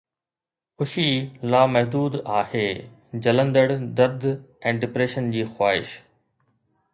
خوشي لامحدود آهي، جلندڙ درد ۽ ڊپريشن جي خواهش